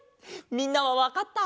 みんなはわかった？